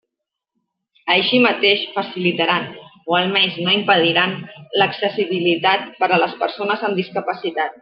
Així mateix, facilitaran, o almenys no impediran, l'accessibilitat per a les persones amb discapacitat.